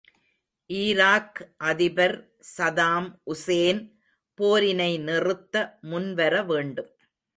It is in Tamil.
ஈராக் அதிபர் சதாம் உசேன் போரினை நிறுத்த முன்வர வேண்டும்.